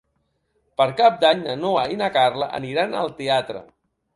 Per Cap d'Any na Noa i na Carla aniran al teatre.